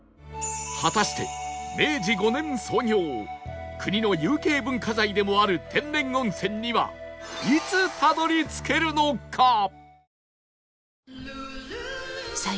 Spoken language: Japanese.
果たして明治５年創業国の有形文化財でもある天然温泉にはいつたどり着けるのか？